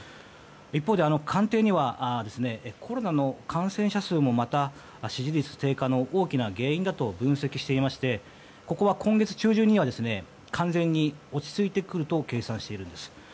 一方で官邸にはコロナの感染者数もまた支持率低下の大きな原因だと分析していましてここは今月中旬には完全に落ち着いてくると計算しているんです。